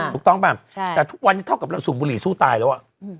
ถูกต้องป่ะแต่ทุกวันนี้เท่ากับเราสูบบุหรี่สู้ตายแล้ว